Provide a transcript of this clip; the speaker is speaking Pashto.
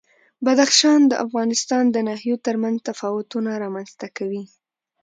بدخشان د افغانستان د ناحیو ترمنځ تفاوتونه رامنځ ته کوي.